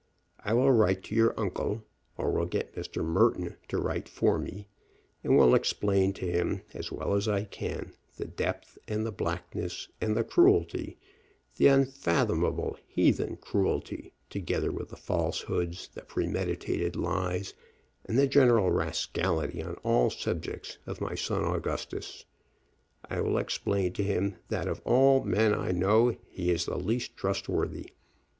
I will write to your uncle, or will get Mr. Merton to write for me, and will explain to him, as well as I can, the depth, and the blackness, and the cruelty, the unfathomable, heathen cruelty, together with the falsehoods, the premeditated lies, and the general rascality on all subjects, of my son Augustus. I will explain to him that, of all men I know, he is the least trustworthy.